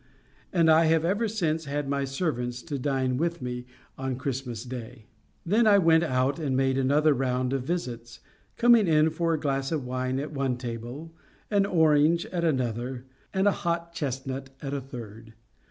And I have ever since had my servants to dine with me on Christmas Day. Then I went out again, and made another round of visits, coming in for a glass of wine at one table, an orange at another, and a hot chestnut at a third.